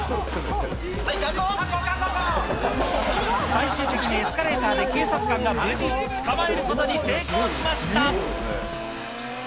最終的にエスカレーターで警察官が無事、捕まえることに成功しました。